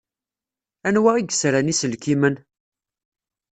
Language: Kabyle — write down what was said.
Anwa i yesran iselkimen?